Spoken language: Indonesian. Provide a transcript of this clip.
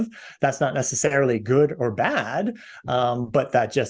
itu tidak necessarily baik atau buruk